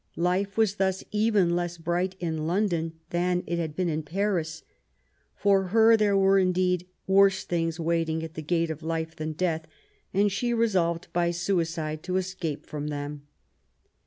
Life was thus even less bright in London than it bad been in Paris. For her there were, indeed, worse things wait ing at the gate of life than death ; and she resolved by suicide to escape from them.